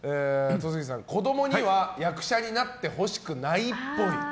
戸次さん、子供には役者になってほしくないっぽい。